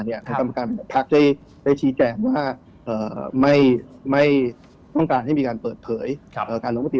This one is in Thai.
นี้จำการที่แจมว่าไม่ไม่ต้องการมีการเปิดเพยยเหลือที่มีการหล่ออะไรใบ